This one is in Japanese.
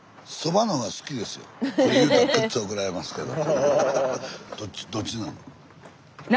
これ言うたらごっつ怒られますけど。